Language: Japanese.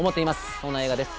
そんな映画です